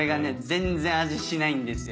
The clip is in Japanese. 全然味しないんですよ。